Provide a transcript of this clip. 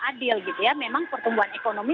adil gitu ya memang pertumbuhan ekonomi